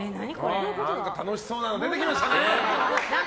何か楽しそうなの出てきましたね。